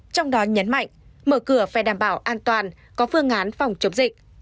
trong đó nhấn mạnh mở cửa phải đảm bảo an toàn có phương án phòng chống dịch